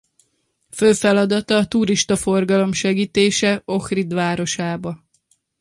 Fő feladata a turistaforgalom segítése Ohrid városába.